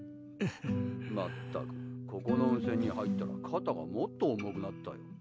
・まったくここの温泉に入ったら肩がもっと重くなったよ。